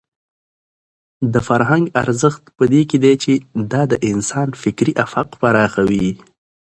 د فرهنګ ارزښت په دې کې دی چې دا د انسان فکري افق پراخوي.